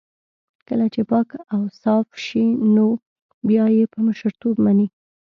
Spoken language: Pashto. کله چې پاک اوصاف شي نو بيا يې په مشرتوب مني.